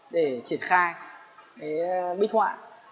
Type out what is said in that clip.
đ terr khai bức họa